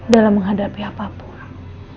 dalam menghadapi apapun